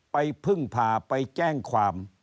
ไปพึ่งพาไปแจ้งความ